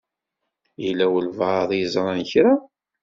Yella walebɛaḍ i yeẓṛan kra?